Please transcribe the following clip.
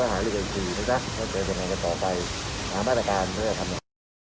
ก็หาเรื่องอีกทีนะครับต่อไปอาบ้าตะกานเพื่อทำ